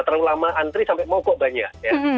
terlalu lama antri sampai mokok banyak